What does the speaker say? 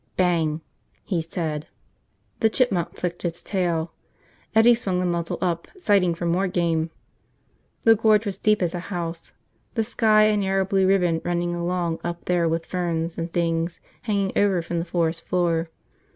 "Bang!" he said. The chipmunk flicked its tail. Eddie swung the muzzle up, sighting for more game. The Gorge was deep as a house, the sky a narrow blue ribbon running along up there with ferns and things hanging over from the forest floor.